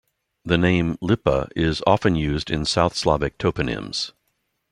The name "lipa" is often used in South Slavic toponyms.